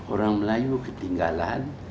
orang melayu ketinggalan